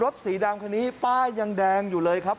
สีดำคันนี้ป้ายยังแดงอยู่เลยครับ